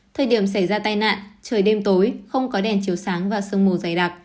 thời điểm xảy ra tai nạn trời đêm tối không có đèn chiều sáng và sương mù dày đặc